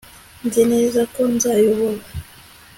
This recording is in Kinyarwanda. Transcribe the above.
nzi neza ko nzayobora